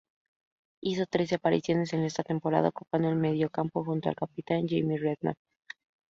Hizo trece apariciones en esa temporada, ocupando el mediocampo junto al capitán Jamie Redknapp.